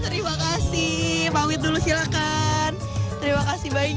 terima kasih banyak